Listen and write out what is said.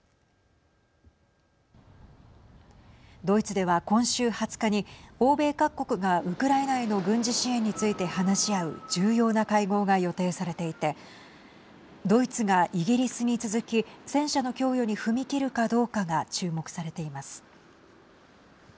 ドイツでは今週２０日に欧米各国がウクライナへの軍事支援について話し合う重要な会合が予定されていてドイツがイギリスに続き戦車の供与に踏み切るかどうかが注目されています。